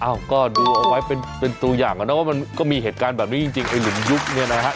อ้าวก็ดูเอาไว้เป็นสูตรอย่างหน่อยเนื่องว่ามันก็มีเหตุการณ์แบบนี่จริงไอหลุมยุบนี่นะฮะ